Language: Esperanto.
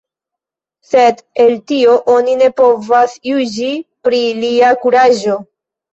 Sed el tio oni ne povas juĝi pri lia kuraĝo.